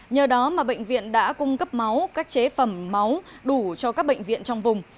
nhờ đó mà bệnh viện đã cung cấp máu các chế phẩm máu đủ cho các bệnh viện trong vùng